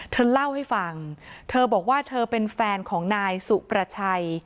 เธอเล่าให้ฟังเธอบอกว่าเธอเป็นแฟนของนายสุประชัย